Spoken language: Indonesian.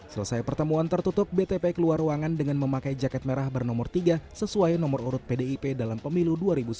selesai pertemuan tertutup btp keluar ruangan dengan memakai jaket merah bernomor tiga sesuai nomor urut pdip dalam pemilu dua ribu sembilan belas